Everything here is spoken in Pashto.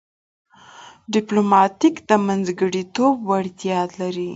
ډيپلومات د منځګړیتوب وړتیا لري.